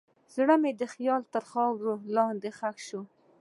زړه مې د خیال تر خاورو لاندې ښخ شو.